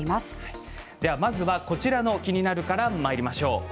まずは、こちらの気になるから、まいりましょう。